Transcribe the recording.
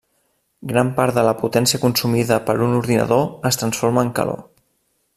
Gran part de la potència consumida per un ordinador es transforma en calor.